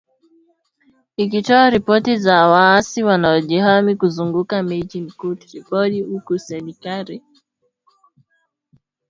ikitoa ripoti za waasi wanaojihami kuzunguka mji mkuu Tripoli huku serikali